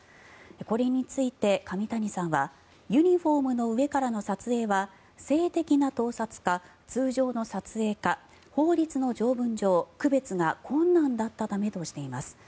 これについて上谷さんはユニホームの上からの撮影は性的な盗撮か通常の撮影か法律の条文上、区別が困難だったためとしています。